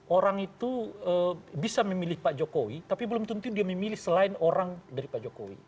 orang itu bisa memilih pak jokowi tapi belum tentu dia memilih selain orang dari pak jokowi